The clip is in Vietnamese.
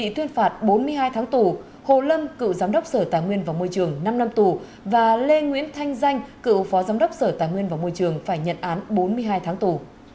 thanh danh cựu phó giám đốc sở tài nguyên và môi trường phải nhận án bốn mươi hai tháng tù